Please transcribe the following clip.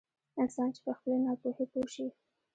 انسان چې په خپلې ناپوهي پوه شي.